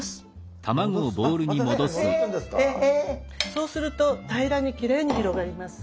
⁉そうすると平らにきれいに広がります。